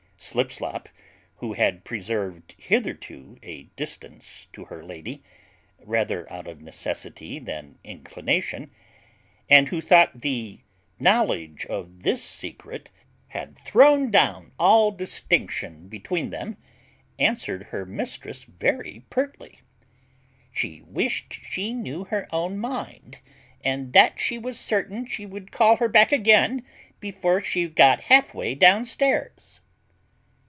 Slipslop, who had preserved hitherto a distance to her lady rather out of necessity than inclination and who thought the knowledge of this secret had thrown down all distinction between them, answered her mistress very pertly "She wished she knew her own mind; and that she was certain she would call her back again before she was got half way downstairs."